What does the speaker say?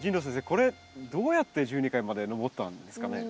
これどうやって１２階まで上ったんですかね？